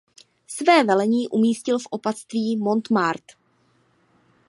Své velení umístil v opatství Montmartre.